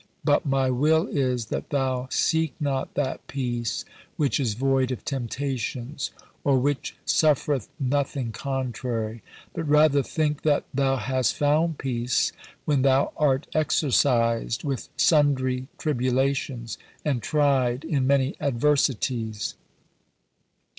But my will is that thou seek not that peace which is void of temptations, or which suffereth nothing contrary; but rather think that thou hast found peace, when thou art exercised with sundry tribulations and tried in many adversities."